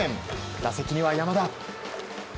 打席には山田。